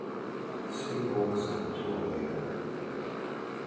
See also Torneyamen.